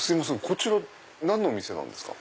こちら何のお店なんですか？